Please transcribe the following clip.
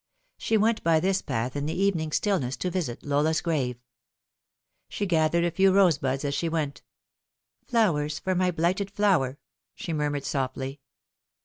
She went by this path in the evening stillness to visit Lola's grave. She gathered a few rosebuds as she went. " Flowers for my blighted flower," she murmured softly.